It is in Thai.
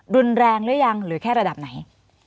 รุนแรงหรือยังหรือแค่ระดับไหน